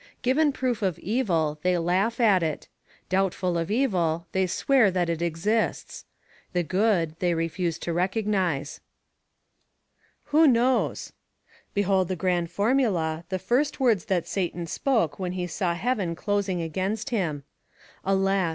Given proof of evil, they laugh at it; doubtful of evil, they swear that it exists; the good, they refuse to recognize. "Who knows?" Behold the grand formula, the first words that Satan spoke when he saw heaven closing against him. Alas!